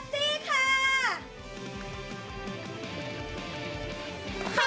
๖๓๔เทอซีค่ะ